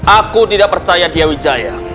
aku tidak percaya di awijaya